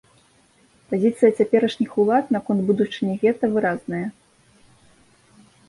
Пазіцыя цяперашніх улад наконт будучыні гета выразная.